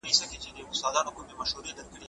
پدیدې د انسان د اړتیا په کچه ارزښت پیدا کوي.